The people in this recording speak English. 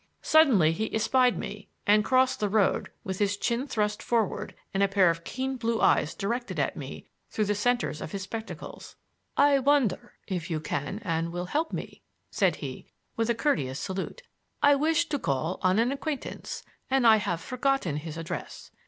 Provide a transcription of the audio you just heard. Suddenly he espied me and crossed the road with his chin thrust forward and a pair of keen blue eyes directed at me through the centers of his spectacles. "I wonder if you can and will help me," said he, with a courteous salute. "I wish to call on an acquaintance, and I have forgotten his address.